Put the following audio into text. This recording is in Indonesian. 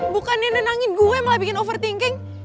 bukan nenenangin gue malah bikin overthinking